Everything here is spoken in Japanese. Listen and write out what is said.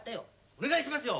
お願いしますよ。